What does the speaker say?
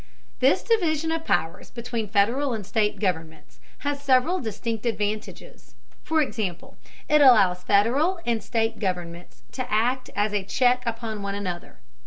This division of powers between Federal and state governments has several distinct advantages. For example, it allows Federal and state governments to act as a check upon one another.